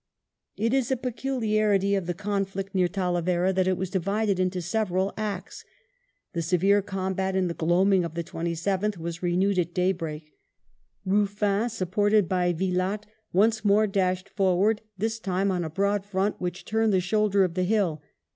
VI THE BATTLE OF TALAVERA 121 It is a peculiarity of the conflict near Talavera that it was divided into several acts. The severe combat in the gloaming of the 27th was renewed at daybreak. Ruffin, supported by Vilatte, once more dashed forward, this time on a broad front which turned the shoulder of the hill.